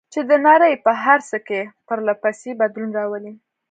چې د نړۍ په هر څه کې پرله پسې بدلون راولي.